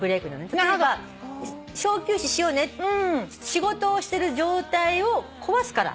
例えば「小休止しようね」仕事をしてる状態を壊すから小休止。